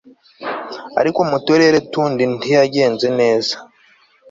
ariko mu turere tundi ntiyagenze neza